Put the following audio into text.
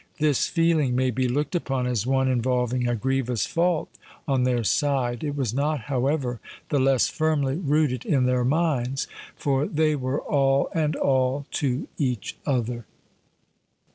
This feeling may be looked upon as one involving a grievous fault on their side: it was not, however, the less firmly rooted in their minds,—for they were all and all to each other!